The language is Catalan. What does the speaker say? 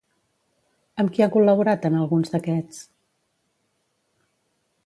Amb qui ha col·laborat en alguns d'aquests?